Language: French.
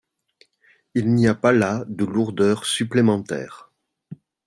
Il n’y a pas là de lourdeur supplémentaire.